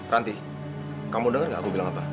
ranti kamu denger gak gue bilang apa